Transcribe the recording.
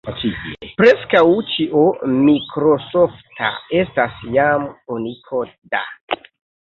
Preskaŭ ĉio mikrosofta estas jam unikoda.